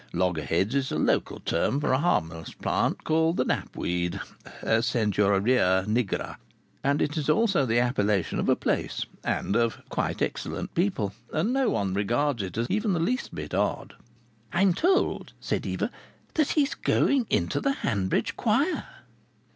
Loggerheads is a local term for a harmless plant called the knapweed (centaurea nigra), and it is also the appellation of a place and of quite excellent people, and no one regards it as even the least bit odd. "I'm told," said Eva, "that he's going into the Hanbridge Choir!"